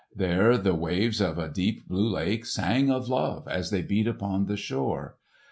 There the waves of a deep blue lake sang of love as they beat upon the shore.